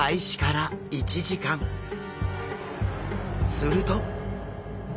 すると。